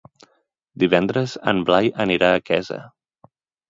Divendres en Blai anirà a Quesa.